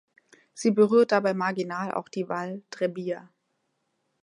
Sie berührt dabei marginal auch die "Val Trebbia".